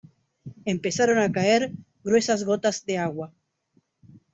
empezaron a caer gruesas gotas de agua.